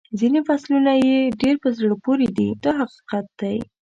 ځینې فصلونه یې ډېر په زړه پورې دي دا حقیقت دی.